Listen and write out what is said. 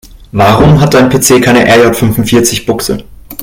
Warum hat dein PC keine RJ-fünfundvierzig-Buchse?